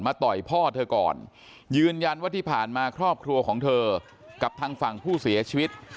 ต่อยพ่อเธอก่อนยืนยันว่าที่ผ่านมาครอบครัวของเธอกับทางฝั่งผู้เสียชีวิต